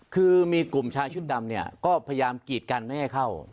คือมีกลุ่มชายชุดดำเนี่ยก็พยายามกีดกันไม่ให้เข้า